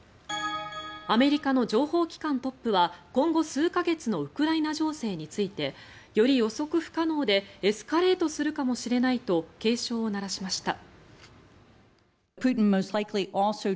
アメリカの情報機関トップは今後数か月のウクライナ情勢についてより予測不可能でエスカレートするかもしれないと警鐘を鳴らしました。